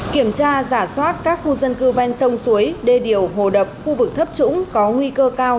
kiểm tra giả soát các khu dân cư ven sông suối đê điều hồ đập khu vực thấp trũng có nguy cơ cao